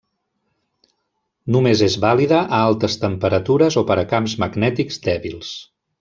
Només és vàlida a altes temperatures o per a camps magnètics dèbils.